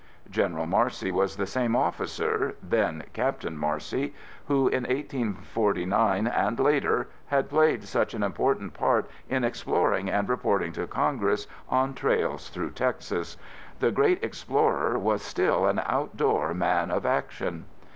General Marcy was the same officer (then, Captain Marcy) who, in 1849 and later, had played such an important part in exploring and reporting to Congress on trails through Texas. The great explorer was still an outdoor man of action.